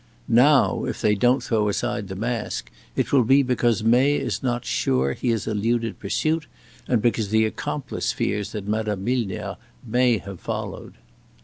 Now, if they don't throw aside the mask, it will be because May is not sure he has eluded pursuit and because the accomplice fears that Madame Milner may have been followed."